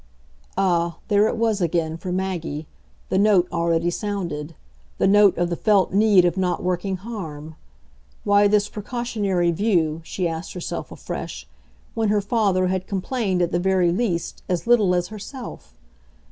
Ah, there it was again, for Maggie the note already sounded, the note of the felt need of not working harm! Why this precautionary view, she asked herself afresh, when her father had complained, at the very least, as little as herself?